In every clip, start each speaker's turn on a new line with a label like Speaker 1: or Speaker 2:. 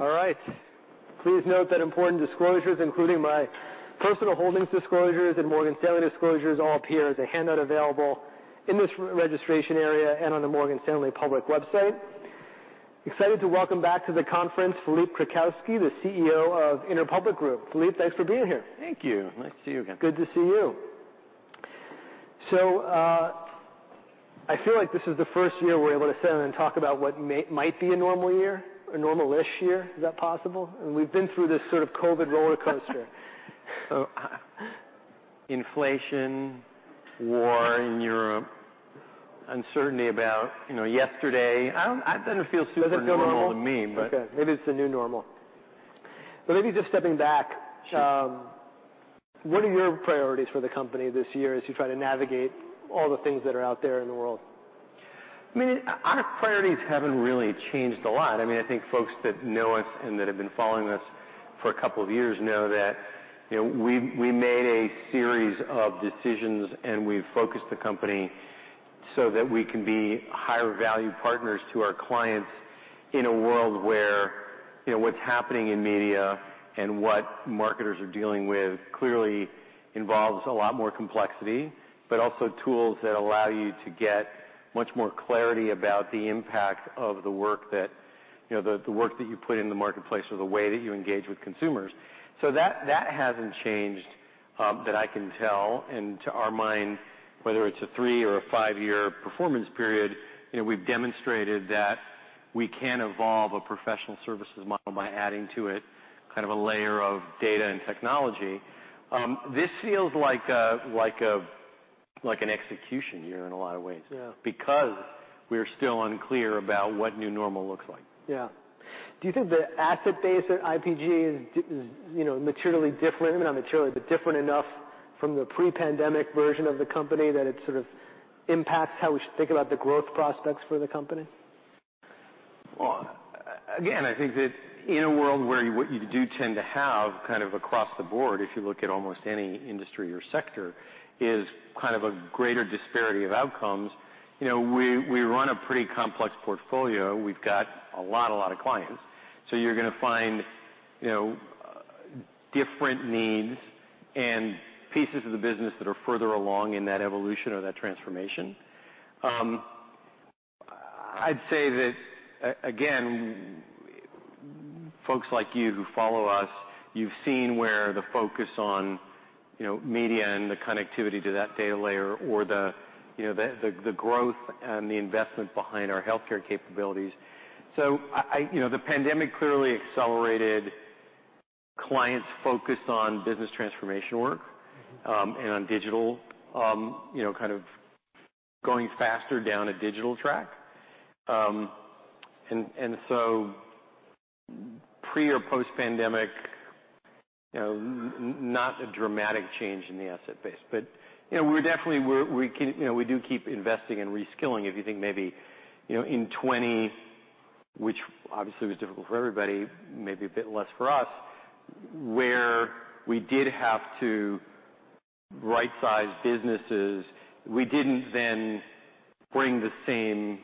Speaker 1: All right. Please note that important disclosures, including my personal holdings disclosures and Morgan Stanley disclosures, all appear as a handout available in this registration area and on the Morgan Stanley public website. Excited to welcome back to the conference, Philippe Krakowsky, the CEO of Interpublic Group. Philippe, thanks for being here.
Speaker 2: Thank you. Nice to see you again.
Speaker 1: Good to see you. I feel like this is the first year we're able to sit and talk about what might be a normal year, a normal-ish year. Is that possible? We've been through this sort of COVID rollercoaster.
Speaker 2: Inflation, war in Europe, uncertainty about, you know, yesterday. I don't feel super normal to me.
Speaker 1: Does it feel normal? Okay. Maybe it's the new normal. Maybe just stepping back-
Speaker 2: Sure.
Speaker 1: What are your priorities for the company this year as you try to navigate all the things that are out there in the world?
Speaker 2: I mean, our priorities haven't really changed a lot. I mean, I think folks that know us and that have been following us for a couple of years know that, you know, we made a series of decisions, and we've focused the company so that we can be higher value partners to our clients in a world where, you know, what's happening in media and what marketers are dealing with clearly involves a lot more complexity, but also tools that allow you to get much more clarity about the impact of the work that, you know, the work that you put in the marketplace or the way that you engage with consumers. That, that hasn't changed, that I can tell. To our mind, whether it's a three or a five-year performance period, you know, we've demonstrated that we can evolve a professional services model by adding to it kind of a layer of data and technology. This feels like an execution year in a lot of ways.
Speaker 1: Yeah
Speaker 2: because we're still unclear about what new normal looks like.
Speaker 1: Yeah. Do you think the asset base at IPG is, you know, materially different? I mean, not materially, but different enough from the pre-pandemic version of the company that it sort of impacts how we should think about the growth prospects for the company?
Speaker 2: Well, again, I think that in a world where what you do tend to have kind of across the board, if you look at almost any industry or sector, is kind of a greater disparity of outcomes. You know, we run a pretty complex portfolio. We've got a lot of clients. You're gonna find, you know, different needs and pieces of the business that are further along in that evolution or that transformation. I'd say that again, folks like you who follow us, you've seen where the focus on, you know, media and the connectivity to that data layer or the, you know, the growth and the investment behind our healthcare capabilities. You know, the pandemic clearly accelerated clients' focus on business transformation work, and on digital, you know, kind of going faster down a digital track. Pre or post-pandemic, you know, not a dramatic change in the asset base. You know, we're definitely we can, you know, we do keep investing and reskilling. If you think maybe, you know, in 2020, which obviously was difficult for everybody, maybe a bit less for us, where we did have to right-size businesses, we didn't then bring the same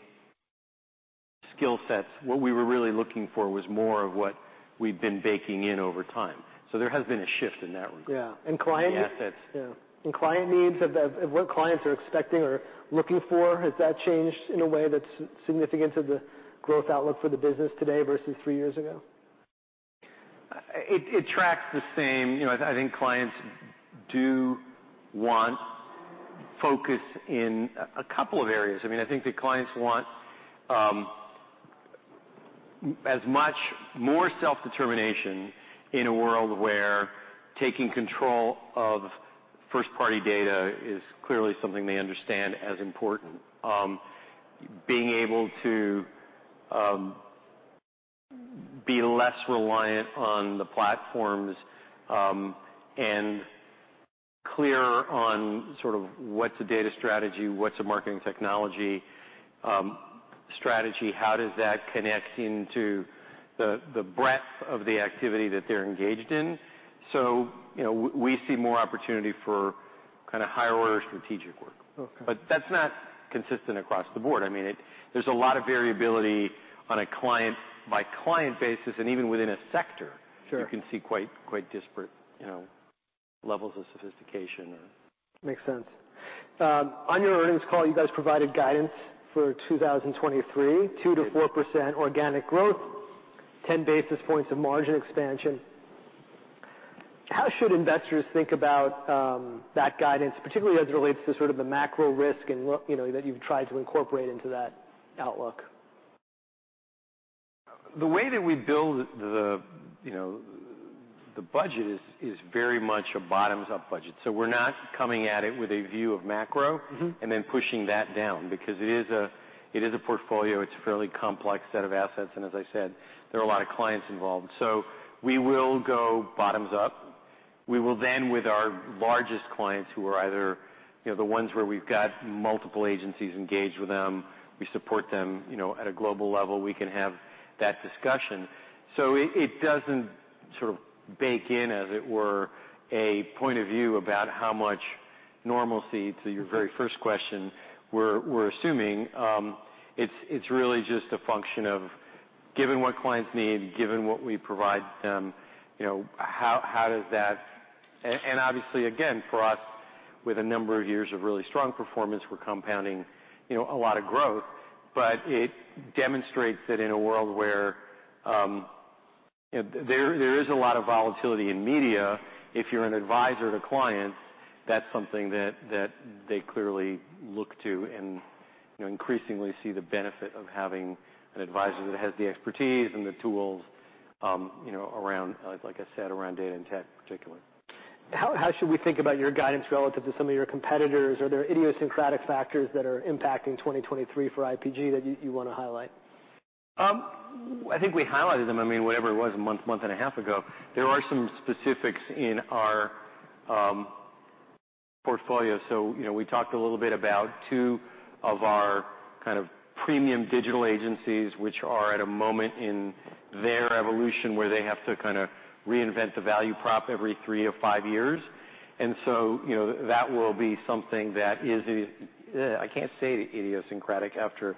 Speaker 2: skill sets. What we were really looking for was more of what we've been baking in over time. There has been a shift in that regard.
Speaker 1: Yeah.
Speaker 2: The assets.
Speaker 1: Yeah. Client needs of what clients are expecting or looking for, has that changed in a way that's significant to the growth outlook for the business today versus three years ago?
Speaker 2: It, it tracks the same. You know, I think clients do want focus in a couple of areas. I mean, I think that clients want as much more self-determination in a world where taking control of first-party data is clearly something they understand as important. Being able to be less reliant on the platforms, and clearer on sort of what's a data strategy, what's a marketing technology strategy, how does that connect into the breadth of the activity that they're engaged in. You know, we see more opportunity for kind of higher order strategic work.
Speaker 1: Okay.
Speaker 2: That's not consistent across the board. I mean, There's a lot of variability on a client-by-client basis, and even within a sector.
Speaker 1: Sure...
Speaker 2: you can see quite disparate, you know, levels of sophistication.
Speaker 1: Makes sense. On your earnings call, you guys provided guidance for 2023, 2%-4% organic growth, 10 basis points of margin expansion. How should investors think about that guidance, particularly as it relates to sort of the macro risk and what, you know, that you've tried to incorporate into that outlook?
Speaker 2: The way that we build the, you know, the budget is very much a bottoms-up budget. We're not coming at it with a view of macro.
Speaker 1: Mm-hmm...
Speaker 2: and then pushing that down because it is a portfolio. It's a fairly complex set of assets, and as I said, there are a lot of clients involved. We will go bottoms up. We will then, with our largest clients who are either, you know, the ones where we've got multiple agencies engaged with them, we support them, you know, at a global level, we can have that discussion. It, it doesn't sort of bake in, as it were, a point of view about how much. Normalcy to your very first question, we're assuming, it's really just a function of given what clients need, given what we provide them, you know, how does that. Obviously again, for us, with a number of years of really strong performance, we're compounding, you know, a lot of growth. It demonstrates that in a world where there is a lot of volatility in media, if you're an advisor to clients, that's something that they clearly look to and, you know, increasingly see the benefit of having an advisor that has the expertise and the tools, you know, around, like I said, around data and tech particularly.
Speaker 1: How should we think about your guidance relative to some of your competitors? Are there idiosyncratic factors that are impacting 2023 for IPG that you wanna highlight?
Speaker 2: I think we highlighted them. I mean, whatever it was, a month and a half ago. There are some specifics in our portfolio. You know, we talked a little bit about two of our kind of premium digital agencies, which are at a moment in their evolution where they have to kinda reinvent the value prop every three to five years. You know, that will be something that is, I can't say idiosyncratic after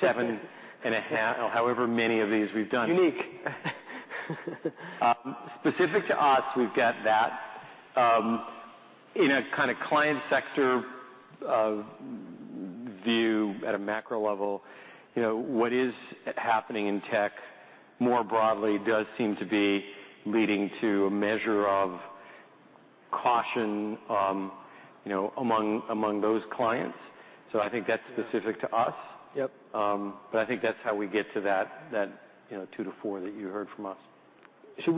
Speaker 2: seven and a half or however many of these we've done.
Speaker 1: Unique.
Speaker 2: Specific to us, we've got that. In a kind of client sector of view at a macro level, you know, what is happening in tech more broadly does seem to be leading to a measure of caution, you know, among those clients. I think that's specific to us.
Speaker 1: Yep.
Speaker 2: I think that's how we get to that, you know, 2-4 that you heard from us.
Speaker 1: Should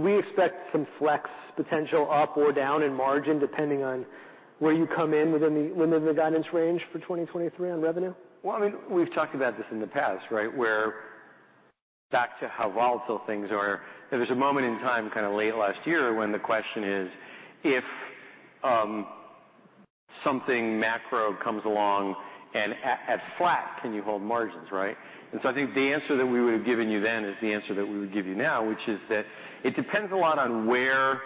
Speaker 1: we expect some flex potential up or down in margin, depending on where you come in within the guidance range for 2023 on revenue?
Speaker 2: Well, I mean, we've talked about this in the past, right? Where back to how volatile things are. There was a moment in time, kinda late last year, when the question is, if something macro comes along and at flat, can you hold margins, right? I think the answer that we would've given you then is the answer that we would give you now, which is that it depends a lot on where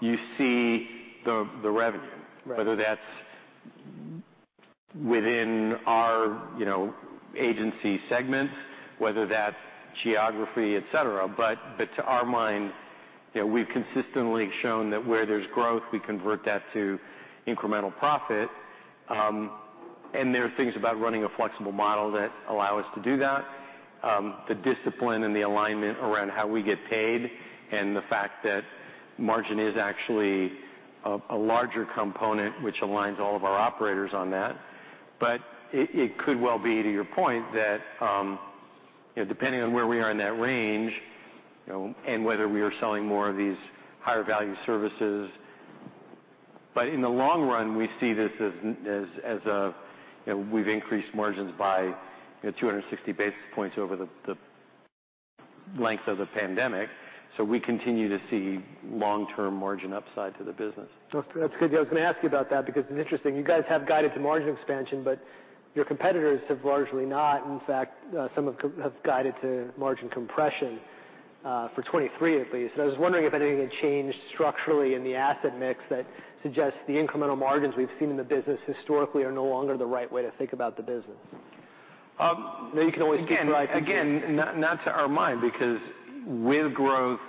Speaker 2: you see the revenue.
Speaker 1: Right.
Speaker 2: Whether that's within our, you know, agency segments, whether that's geography, et cetera. To our mind, you know, we've consistently shown that where there's growth, we convert that to incremental profit. There are things about running a flexible model that allow us to do that. The discipline and the alignment around how we get paid and the fact that margin is actually a larger component which aligns all of our operators on that. It could well be, to your point, that, you know, depending on where we are in that range, you know, and whether we are selling more of these higher value services. In the long run, we see this as a, you know, we've increased margins by, you know, 260 basis points over the length of the pandemic. We continue to see long-term margin upside to the business.
Speaker 1: That's good. I was gonna ask you about that because it's interesting. You guys have guided to margin expansion, but your competitors have largely not. In fact, some of have guided to margin compression for 2023 at least. I was wondering if anything had changed structurally in the asset mix that suggests the incremental margins we've seen in the business historically are no longer the right way to think about the business.
Speaker 2: Um-
Speaker 1: You know, you can.
Speaker 2: Again, not to our mind, because with growth,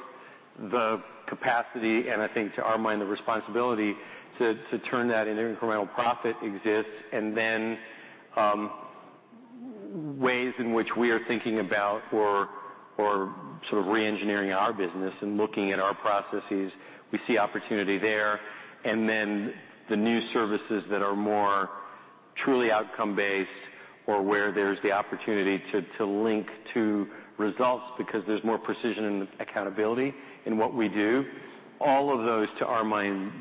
Speaker 2: the capacity, and I think to our mind, the responsibility to turn that into incremental profit exists. Ways in which we are thinking about or sort of re-engineering our business and looking at our processes, we see opportunity there. The new services that are more truly outcome-based or where there's the opportunity to link to results because there's more precision and accountability in what we do. All of those, to our mind,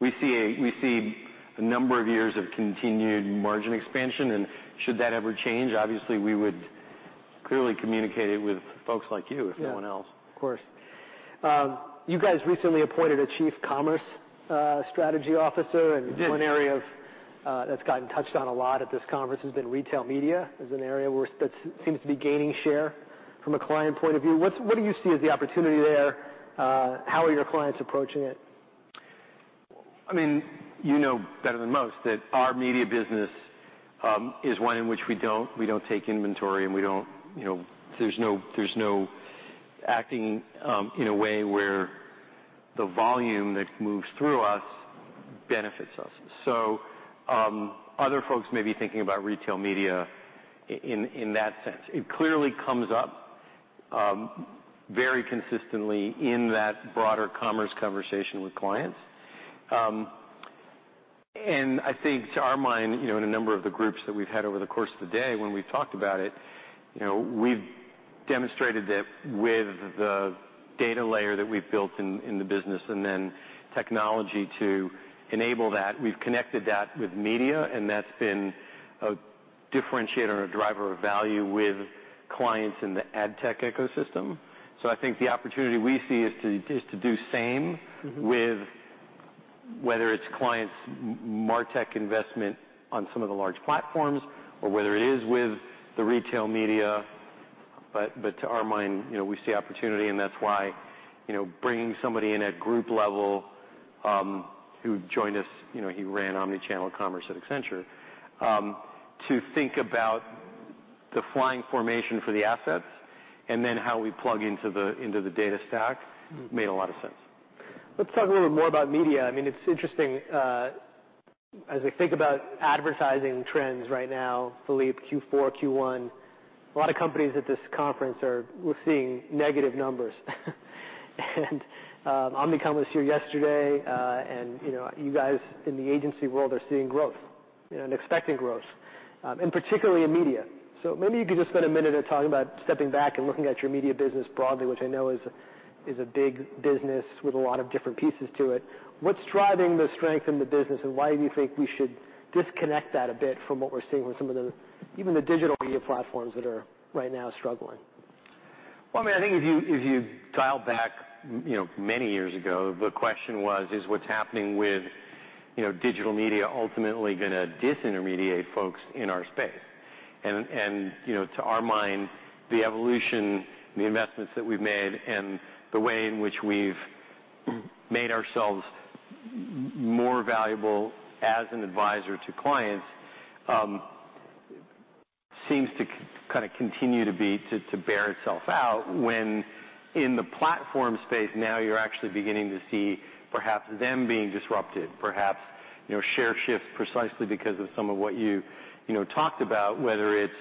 Speaker 2: we see a number of years of continued margin expansion. Should that ever change, obviously we would clearly communicate it with folks like you.
Speaker 1: Yeah.
Speaker 2: if no one else.
Speaker 1: Of course. You guys recently appointed a Chief Commerce Strategy Officer.
Speaker 2: We did.
Speaker 1: One area of, that's gotten touched on a lot at this conference has been retail media as an area that seems to be gaining share from a client point of view. What do you see as the opportunity there? How are your clients approaching it?
Speaker 2: I mean, you know better than most that our media business, is one in which we don't, we don't take inventory and we don't, you know, there's no, there's no acting, in a way where the volume that moves through us benefits us. Other folks may be thinking about retail media in that sense. It clearly comes up, very consistently in that broader commerce conversation with clients. I think to our mind, you know, in a number of the groups that we've had over the course of the day when we've talked about it, you know, we've demonstrated that with the data layer that we've built in the business and then technology to enable that, we've connected that with media, and that's been a differentiator and a driver of value with clients in the ad tech ecosystem. I think the opportunity we see is to do same-
Speaker 1: Mm-hmm.
Speaker 2: Whether it's clients' MarTech investment on some of the large platforms or whether it is with the retail media. To our mind, you know, we see opportunity, and that's why, you know, bringing somebody in at group level, who joined us, you know, he ran omni-channel commerce at Accenture, to think about the flying formation for the assets and then how we plug into the, into the data stack made a lot of sense.
Speaker 1: Let's talk a little bit more about media. I mean, it's interesting, as I think about advertising trends right now, Philippe, Q4, Q1, a lot of companies at this conference we're seeing negative numbers. Omnicom was here yesterday, and, you know, you guys in the agency world are seeing growth and expecting growth, and particularly in media. Maybe you could just spend a minute at talking about stepping back and looking at your media business broadly, which I know is a big business with a lot of different pieces to it. What's driving the strength in the business, and why do you think we should disconnect that a bit from what we're seeing with some of the even the digital media platforms that are right now struggling?
Speaker 2: I mean, I think if you, if you dial back, you know, many years ago, the question was, is what's happening with, you know, digital media ultimately gonna disintermediate folks in our space? You know, to our mind, the evolution, the investments that we've made and the way in which we've made ourselves more valuable as an advisor to clients, seems to kind of continue to be to bear itself out when in the platform space now you're actually beginning to see perhaps them being disrupted, perhaps, you know, share shifts precisely because of some of what you know, talked about, whether it's,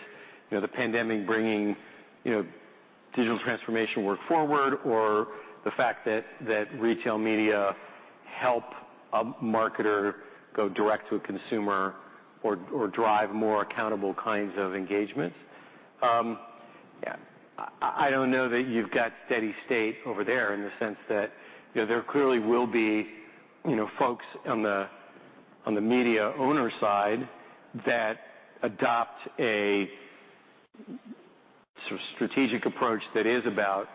Speaker 2: you know, the pandemic bringing, you know, digital transformation work forward or the fact that retail media help a marketer go direct to a consumer or drive more accountable kinds of engagements. I don't know that you've got steady state over there in the sense that, you know, there clearly will be, you know, folks on the, on the media owner side that adopt a strategic approach that is about,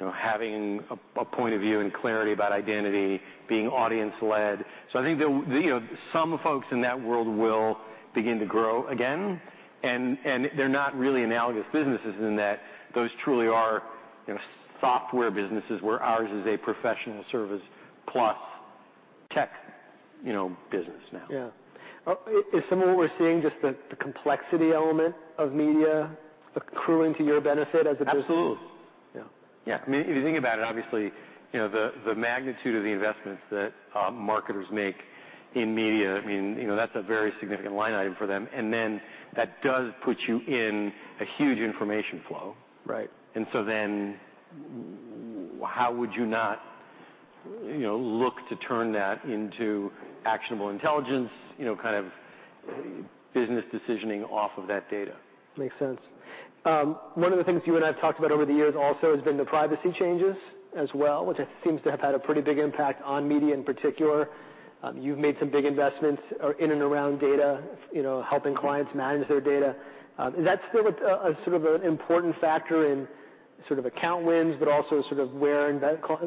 Speaker 2: you know, having a point of view and clarity about identity, being audience-led. I think there, you know, some folks in that world will begin to grow again, and they're not really analogous businesses in that those truly are, you know, software businesses where ours is a professional service plus tech, you know, business now.
Speaker 1: Yeah. Is some of what we're seeing just the complexity element of media accruing to your benefit as a business?
Speaker 2: Absolutely.
Speaker 1: Yeah.
Speaker 2: Yeah. I mean, if you think about it, obviously, you know, the magnitude of the investments that marketers make in media, I mean, you know, that's a very significant line item for them. Then that does put you in a huge information flow.
Speaker 1: Right.
Speaker 2: How would you not, you know, look to turn that into actionable intelligence, you know, kind of business decisioning off of that data?
Speaker 1: Makes sense. One of the things you and I have talked about over the years also has been the privacy changes as well, which it seems to have had a pretty big impact on media in particular. You've made some big investments in and around data, you know, helping clients manage their data. Is that still a sort of an important factor in sort of account wins, but also sort of where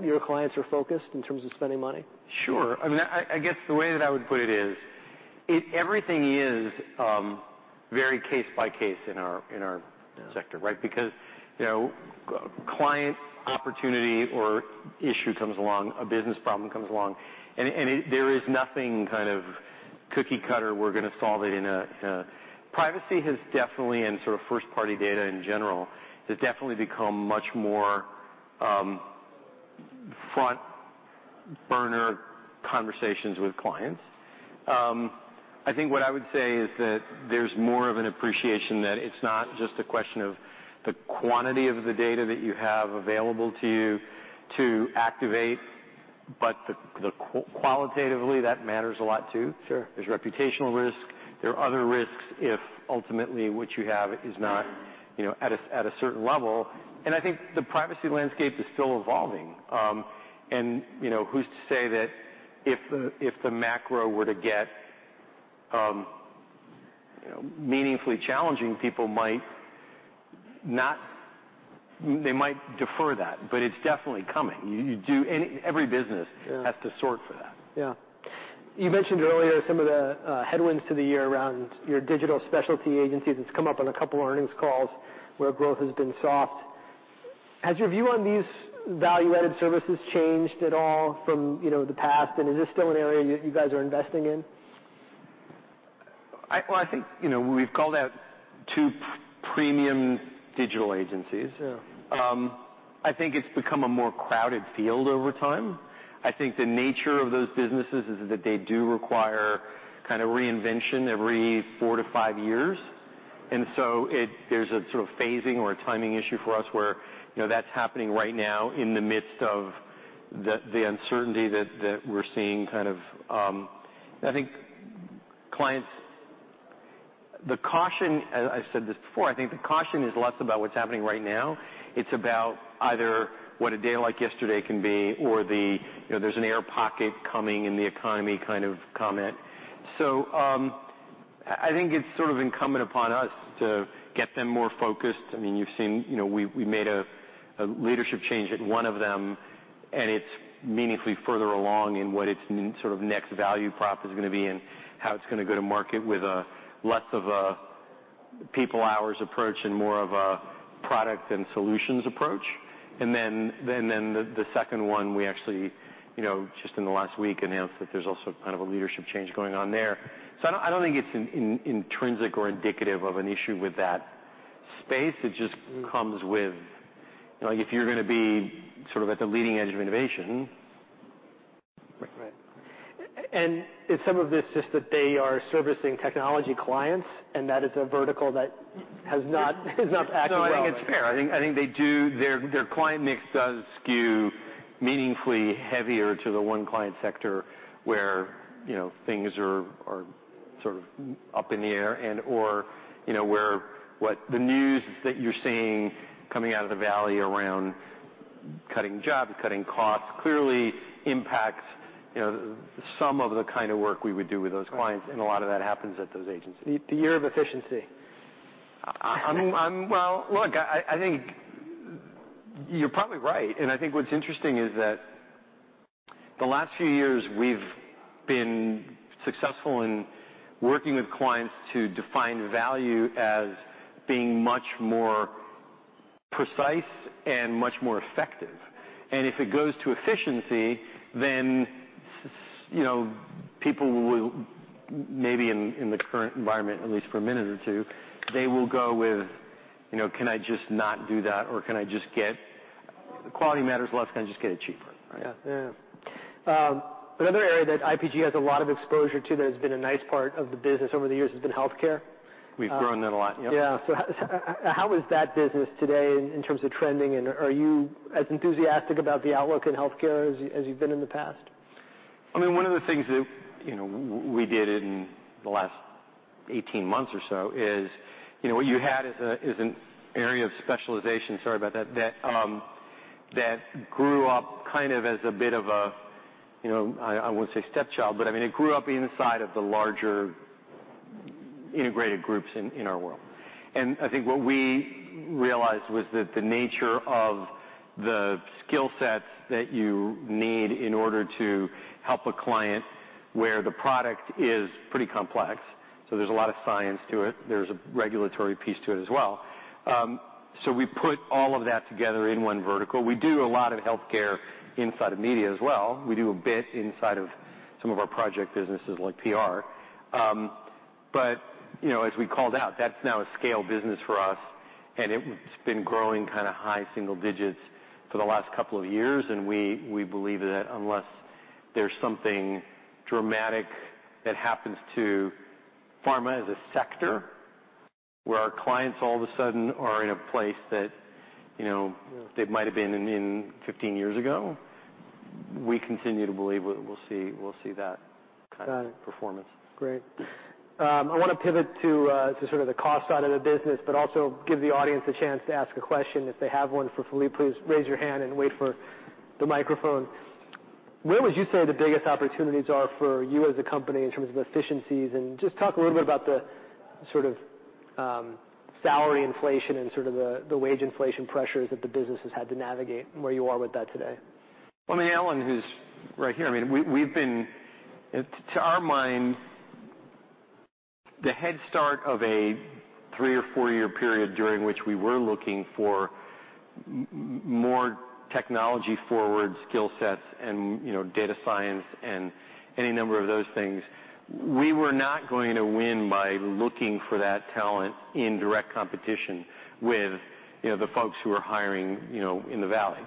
Speaker 1: your clients are focused in terms of spending money?
Speaker 2: Sure. I mean, I guess the way that I would put it is, everything is very case by case in our, in our sector, right? Because, you know, client opportunity or issue comes along, a business problem comes along, and there is nothing kind of cookie cutter, we're gonna solve it in a, in a... Privacy has definitely, and sort of first-party data in general, has definitely become much more, front burner conversations with clients. I think what I would say is that there's more of an appreciation that it's not just a question of the quantity of the data that you have available to you to activate, but qualitatively, that matters a lot too.
Speaker 1: Sure.
Speaker 2: There's reputational risk. There are other risks if ultimately what you have is not, you know, at a, at a certain level. I think the privacy landscape is still evolving. You know, who's to say that if the, if the macro were to get, you know, meaningfully challenging, people might not, they might defer that, but it's definitely coming. Every business.
Speaker 1: Yeah.
Speaker 2: Has to sort for that.
Speaker 1: Yeah. You mentioned earlier some of the headwinds to the year around your digital specialty agencies. It's come up on a couple earnings calls where growth has been soft. Has your view on these value-added services changed at all from, you know, the past, and is this still an area you guys are investing in?
Speaker 2: Well, I think, you know, we've called out two premium digital agencies.
Speaker 1: Yeah.
Speaker 2: I think it's become a more crowded field over time. I think the nature of those businesses is that they do require kind of reinvention every four to five years. There's a sort of phasing or a timing issue for us where, you know, that's happening right now in the midst of the uncertainty that we're seeing kind of. I think clients. The caution, and I've said this before, I think the caution is less about what's happening right now. It's about either what a day like yesterday can be or the, you know, there's an air pocket coming in the economy kind of comment. I think it's sort of incumbent upon us to get them more focused. I mean, you've seen, you know, we made a leadership change at one of them, and it's meaningfully further along in what its sort of next value prop is gonna be and how it's gonna go to market with less of a people-hours approach and more of a product and solutions approach. Then the second one, we actually, you know, just in the last week announced that there's also kind of a leadership change going on there. I don't think it's intrinsic or indicative of an issue with that space. It just comes with... You know, if you're gonna be sort of at the leading edge of innovation.
Speaker 1: Right. Is some of this just that they are servicing technology clients, and that is a vertical that has not acted well?
Speaker 2: No, I think it's fair. I think they do. Their client mix does skew meaningfully heavier to the one client sector where, you know, things are sort of up in the air and/or, you know, where what the news that you're seeing coming out of the Valley around cutting jobs, cutting costs, clearly impacts, you know, some of the kind of work we would do with those clients, and a lot of that happens at those agencies.
Speaker 1: The year of efficiency.
Speaker 2: Well, look, I'm, I think you're probably right, and I think what's interesting is that the last few years, we've been successful in working with clients to define value as being much more precise and much more effective. If it goes to efficiency, then, you know, people will, maybe in the current environment, at least for a minute or two, they will go with, you know, "Can I just not do that, or can I just get quality matters less, can I just get it cheaper?
Speaker 1: Yeah. Yeah, yeah. another area that IPG has a lot of exposure to that has been a nice part of the business over the years has been healthcare.
Speaker 2: We've grown that a lot, yep.
Speaker 1: Yeah. How is that business today in terms of trending, and are you as enthusiastic about the outlook in healthcare as you've been in the past?
Speaker 2: I mean, one of the things that, you know, we did in the last 18 months or so is, you know, what you had as a, as an area of specialization, sorry about that grew up kind of as a bit of a, you know, I wouldn't say stepchild, but I mean, it grew up inside of the larger integrated groups in our world. I think what we realized was that the nature of the skill sets that you need in order to help a client where the product is pretty complex, so there's a lot of science to it, there's a regulatory piece to it as well. So we put all of that together in one vertical. We do a lot of healthcare inside of media as well. We do a bit inside of some of our project businesses like PR. You know, as we called out, that's now a scale business for us. It's been growing kind of high single digits for the last couple of years. We believe that unless there's something dramatic that happens to pharma as a sector where our clients all of a sudden are in a place that, you know, they might have been in 15 years ago, we continue to believe we'll see that kind of performance.
Speaker 1: Got it. Great. I wanna pivot to sort of the cost side of the business, but also give the audience a chance to ask a question if they have one for Philippe. Please raise your hand and wait for the microphone. Where would you say the biggest opportunities are for you as a company in terms of efficiencies? Just talk a little bit about the sort of salary inflation and sort of the wage inflation pressures that the business has had to navigate and where you are with that today.
Speaker 2: I mean, Alan, who's right here, I mean, we've been To our mind, the head start of a three or four-year period during which we were looking for more technology forward skill sets and, you know, data science and any number of those things, we were not going to win by looking for that talent in direct competition with, you know, the folks who are hiring, you know, in the Valley.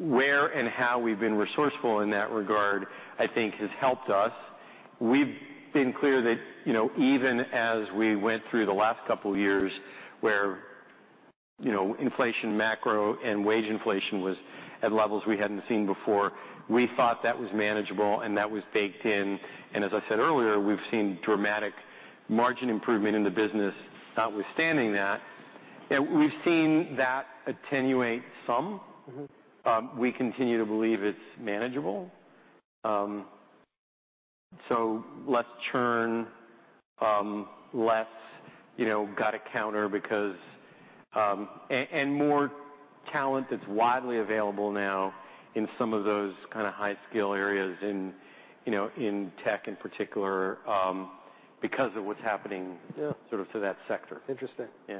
Speaker 2: Where and how we've been resourceful in that regard, I think, has helped us. We've been clear that, you know, even as we went through the last couple years where, you know, inflation, macro and wage inflation was at levels we hadn't seen before, we thought that was manageable and that was baked in. As I said earlier, we've seen dramatic margin improvement in the business notwithstanding that. We've seen that attenuate some.
Speaker 1: Mm-hmm.
Speaker 2: We continue to believe it's manageable. Less churn, less, you know, gotta counter because. More talent that's widely available now in some of those kind of high-skill areas in, you know, in tech in particular, because of what's happening.
Speaker 1: Yeah...
Speaker 2: sort of to that sector.
Speaker 1: Interesting.
Speaker 2: Yeah.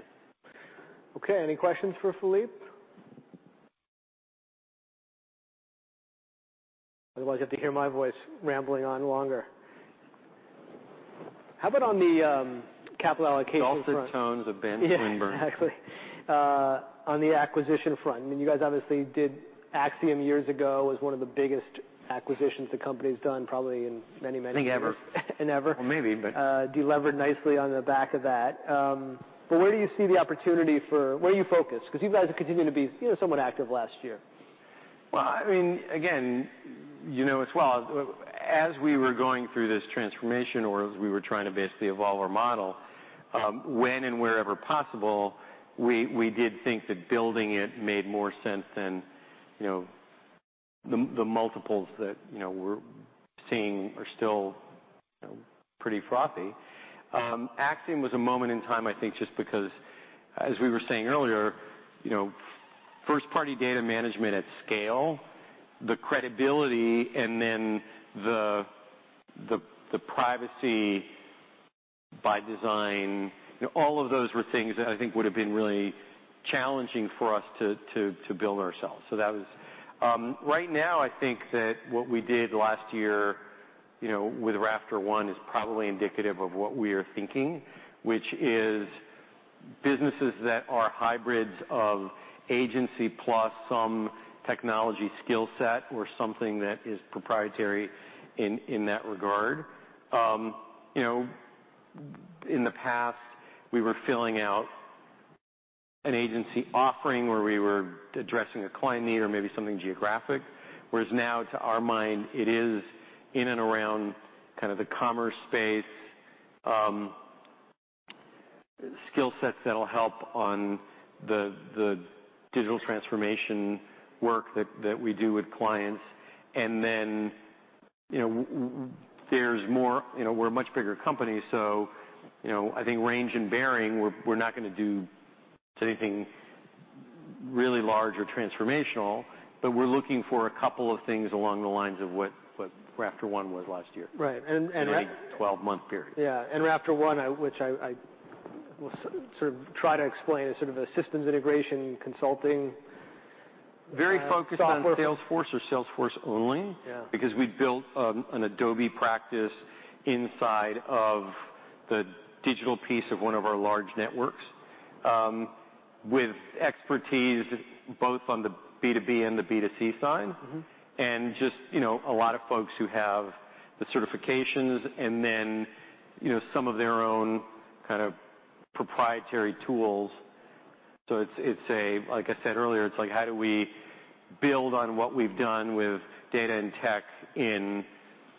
Speaker 1: Okay. Any questions for Philippe? Otherwise, you have to hear my voice rambling on longer. How about on the capital allocation front?
Speaker 2: The salted tones of Benjamin Swinburne.
Speaker 1: Yeah, exactly. on the acquisition front, I mean, you guys obviously did Acxiom years ago. It was one of the biggest acquisitions the company's done probably in many, many years.
Speaker 2: I think ever.
Speaker 1: Ever.
Speaker 2: Maybe.
Speaker 1: delevered nicely on the back of that. Where are you focused? You guys have continued to be, you know, somewhat active last year.
Speaker 2: Well, I mean, again, you know as well as we were going through this transformation or as we were trying to basically evolve our model, when and wherever possible, we did think that building it made more sense than, you know. The multiples that, you know, we're seeing are still, you know, pretty frothy. Acxiom was a moment in time, I think, just because as we were saying earlier, you know, first-party data management at scale, the credibility and then the privacy by design, you know, all of those were things that I think would have been really challenging for us to build ourselves. That was. Right now, I think that what we did last year, you know, with RafterOne is probably indicative of what we are thinking, which is businesses that are hybrids of agency plus some technology skill set or something that is proprietary in that regard. You know, in the past, we were filling out an agency offering where we were addressing a client need or maybe something geographic, whereas now, to our mind, it is in and around kind of the commerce space, skill sets that'll help on the digital transformation work that we do with clients. You know, there's more... You know, we're a much bigger company. You know, I think range and bearing, we're not gonna do anything really large or transformational, but we're looking for a couple of things along the lines of what RafterOne was last year.
Speaker 1: Right.
Speaker 2: In a 12-month period.
Speaker 1: Yeah. RafterOne, which I will sort of try to explain, is sort of a systems integration consulting.
Speaker 2: Very focused on.
Speaker 1: Software-
Speaker 2: Salesforce or Salesforce only.
Speaker 1: Yeah.
Speaker 2: Because we built, an Adobe practice inside of the digital piece of one of our large networks, with expertise both on the B2B and the B2C side.
Speaker 1: Mm-hmm.
Speaker 2: Just, you know, a lot of folks who have the certifications and then, you know, some of their own kind of proprietary tools. Like I said earlier, it's like how do we build on what we've done with data and tech in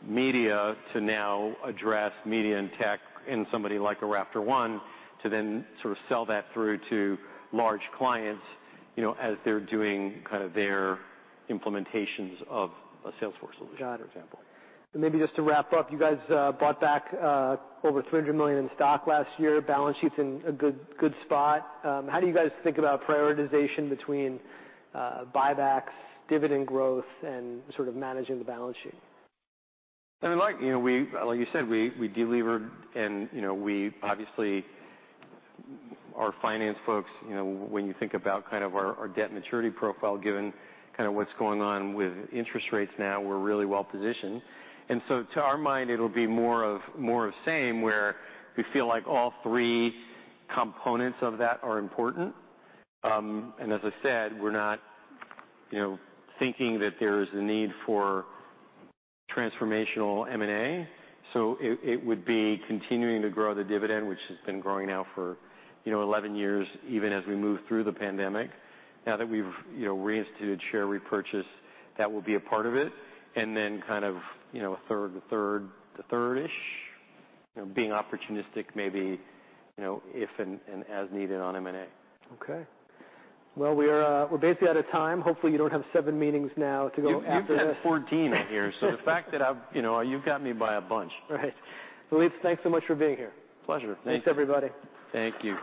Speaker 2: media to now address media and tech in somebody like a RafterOne, to then sort of sell that through to large clients, you know, as they're doing kind of their implementations of a Salesforce solution.
Speaker 1: Got it.
Speaker 2: For example.
Speaker 1: maybe just to wrap up, you guys, bought back over $300 million in stock last year. Balance sheet's in a good spot. How do you guys think about prioritization between buybacks, dividend growth, and sort of managing the balance sheet?
Speaker 2: I mean, like, you know, Like you said, we delevered and, you know, we obviously... Our finance folks, you know, when you think about kind of our debt maturity profile given kind of what's going on with interest rates now, we're really well-positioned. To our mind, it'll be more of same, where we feel like all three components of that are important. As I said, we're not, you know, thinking that there's a need for transformational M&A. It would be continuing to grow the dividend, which has been growing now for, you know, 11 years, even as we move through the pandemic. Now that we've, you know, reinstituted share repurchase, that will be a part of it. kind of, you know, a third, a third, a third-ish, you know, being opportunistic maybe, you know, if and as needed on M&A.
Speaker 1: Okay. Well, we're basically out of time. Hopefully you don't have seven meetings now to go after this.
Speaker 2: You've had 14 I hear. The fact that you know, you've got me by a bunch.
Speaker 1: Right. Philippe, thanks so much for being here.
Speaker 2: Pleasure. Thank you.
Speaker 1: Thanks, everybody.
Speaker 2: Thank you.